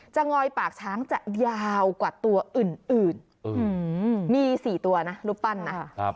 จังงอยปากช้างจะยาวกว่าตัวอื่นอื่นอืมมีสี่ตัวนะรูปปั้นนะครับ